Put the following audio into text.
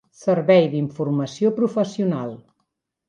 Servei d'informació professional